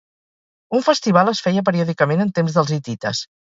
Un festival es feia periòdicament en temps dels hitites.